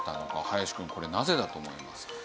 林くんこれなぜだと思いますか？